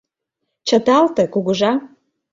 Чыталте, Кугыжа.